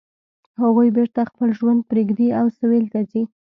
هغوی بیرته خپل ژوند پریږدي او سویل ته ځي